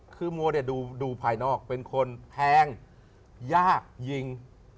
คือมูด้วยดูภายนอกมีคนแพงยากหญิง